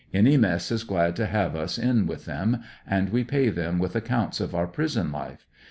Any mess is glad to have us in with them, and we pay them with accounts of our prison life.